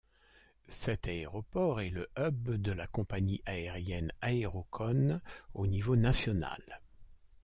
Cet aéroport est le hub de la compagnie aérienne Aerocón au niveau national.